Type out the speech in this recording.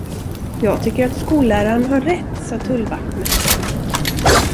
Jag tycker att skollärarn har rätt, sade tullvaktmästaren.